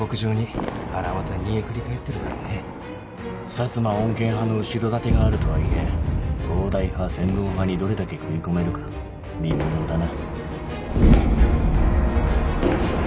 薩摩穏健派の後ろ盾があるとはいえ東大派千堂派にどれだけ食い込めるか見ものだな。